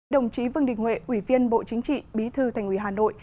đồng chí vương đình huệ ủy viên bộ chính trị bí thư thành ủy hà nội